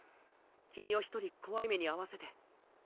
君を一人怖い目に遭わせて。